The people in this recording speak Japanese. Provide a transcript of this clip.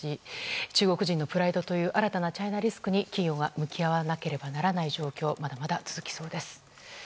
中国人のプライドという新たなチャイナリスクに企業が向き合わなければならない状況、まだまだ続きそうです。